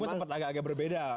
pasti pun cepat agak agak berbeda